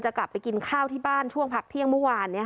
กลับไปกินข้าวที่บ้านช่วงพักเที่ยงเมื่อวาน